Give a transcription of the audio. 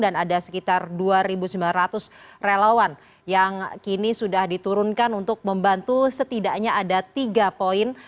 dan ada sekitar dua sembilan ratus relawan yang kini sudah diturunkan untuk membantu setidaknya ada tiga poin